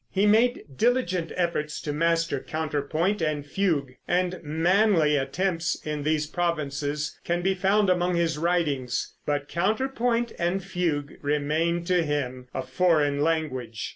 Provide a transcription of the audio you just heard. He made diligent efforts to master counterpoint and fugue, and manly attempts in these provinces can be found among his writings; but counterpoint and fugue remained to him a foreign language.